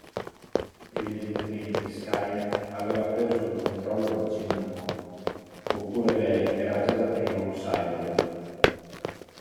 Evidentemente Skynet aveva preso il controllo di Cinnamon, oppure lei era già da prima un cyborg.